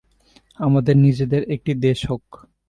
আমাদের নিজেদের একটি দেশ হোক।